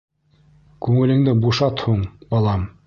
— Күңелеңде бушат һуң, балам.